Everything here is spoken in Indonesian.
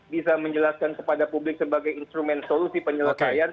bisa menjelaskan kepada publik sebagai instrumen solusi penyelesaian